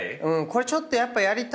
これちょっとやっぱ。